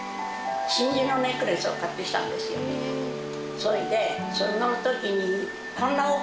それでその時に。